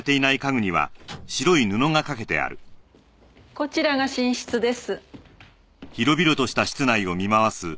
こちらが寝室です。